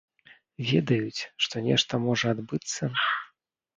Ведаюць, што нешта можа адбыцца?